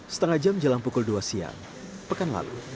setengah jam jelang pukul dua siang pekan lalu